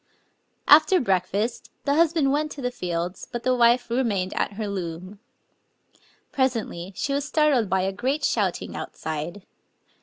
After break^t, the husband went to the fields ; but the wife remained at her loom. Presently she was startled by a great shouting outside.